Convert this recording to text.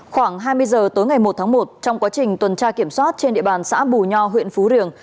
khoảng hai mươi giờ tối ngày một tháng một trong quá trình tuần tra kiểm soát trên địa bàn xã bù nho huyện phú riềng